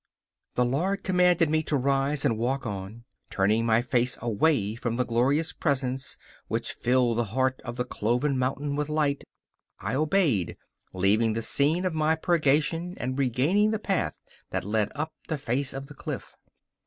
The Lord commanded me to rise and walk on, and, turning my face away from the glorious Presence, which filled the heart of the cloven mountain with light, I obeyed, leaving the scene of my purgation and regaining the path that led up the face of the cliff.